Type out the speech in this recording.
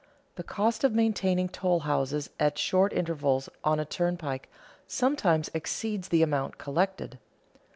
The cost of maintaining tollhouses at short intervals on a turnpike sometimes exceeds the amount collected.